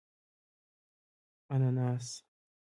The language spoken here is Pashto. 🍍 انناس